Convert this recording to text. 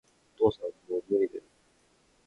お父さん、もう無理だよ